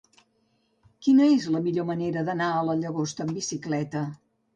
Quina és la millor manera d'anar a la Llagosta amb bicicleta?